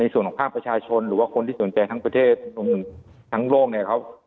ส่วนของภาพประชาชนหรือคนที่สนใจทั้งประเทศทั้งโลก